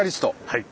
はい。